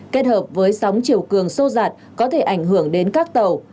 kết hợp với sóng chiều cường sô dạt có thể ảnh hưởng đến các tàu